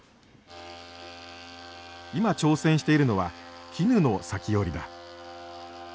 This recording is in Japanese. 今挑戦しているのは絹の裂き織だ。